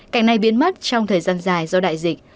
cảnh này biến mất trong thời gian dài do đại dịch